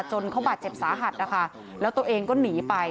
จนเขาบาดเจ็บสาหัสนะคะแล้วตัวเองก็หนีไป